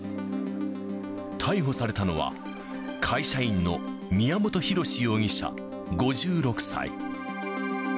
逮捕されたのは、会社員の宮本浩志容疑者５６歳。